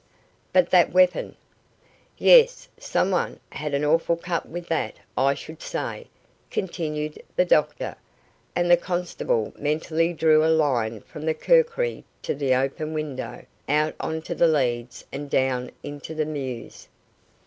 "But that weapon?" "Yes, some one had an awful cut with that, I should say," continued the doctor, and the constable mentally drew a line from the kukri to the open window, out on to the leads, and down into the mews.